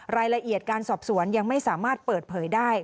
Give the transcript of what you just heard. รายละเอียดการสอบสวนยังไม่สามารถเปิดเผยได้